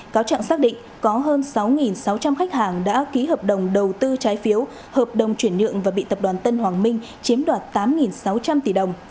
cáo trạng xác định có hơn sáu sáu trăm linh khách hàng đã ký hợp đồng đầu tư trái phiếu hợp đồng chuyển nhượng và bị tập đoàn tân hoàng minh chiếm đoạt tám sáu trăm linh tỷ đồng